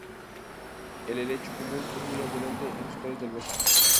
El helecho común es muy abundante en los claros del bosque.